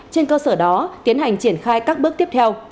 trên cơ sở đó tiến hành triển khai các bước tiếp theo